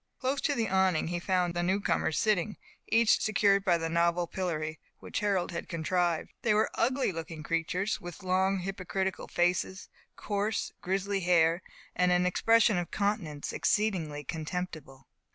Close to the awning he found the new comers sitting, each secured by the novel pillory which Harold had contrived. They were ugly looking creatures, with long, hypocritical faces, coarse, grizzly hair, and an expression of countenance exceedingly contemptible.